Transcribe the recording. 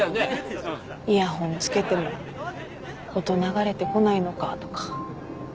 イヤホンつけても音流れてこないのかとか。